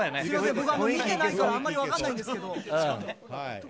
僕見てないからあんまり分かんないですけど。